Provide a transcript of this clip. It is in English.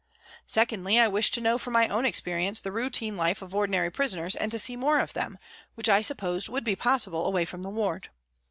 Secondly, I wished to know from my own experience the routine life of ordinary prisoners and to see more of them, which I supposed would be possible away from the ward.